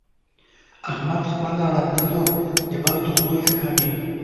احمد خپله ړنده لور د بل تر زوی ښه ګڼي.